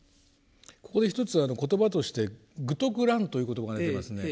ここで一つ言葉として「愚禿鸞」という言葉が出てますね。